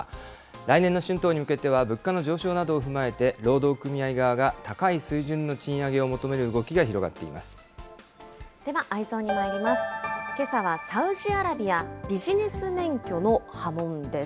来年の春闘に向けては、物価の上昇などを踏まえて、労働組合側が高い水準の賃上げを求める動きがではＥｙｅｓｏｎにまいります。